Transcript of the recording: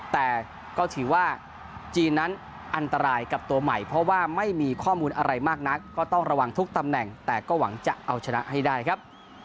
แต่ก็ถือว่าจีนนั้นอันตรายกับตัวใหม่เพราะว่าไม่มีข้อมูลอะไรมากนักก็ต้องระวังทุกตำแหน่งแต่ก็หวังจะเอาชนะให้ได้ครับ